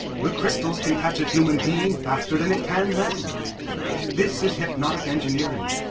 "The crystal can catch a human being faster than it can them. This is hypnotic engineering.